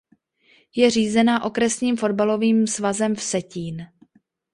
Je řízena Okresním fotbalovým svazem Vsetín.